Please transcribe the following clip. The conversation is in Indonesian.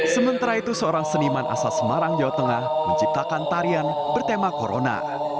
sementara itu seorang seniman asal semarang jawa tengah menciptakan tarian bertema corona